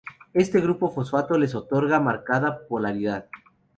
Este grupo fosfato les otorga marcada polaridad.